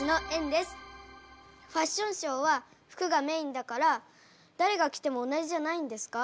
ファッションショーは服がメインだからだれが着ても同じじゃないんですか？